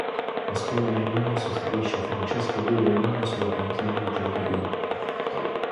Pasquale Marino sostituisce Francesco Guidolin sulla panchina dei gialloblù.